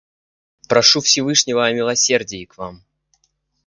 Прошу Всевышнего о милосердии к вам.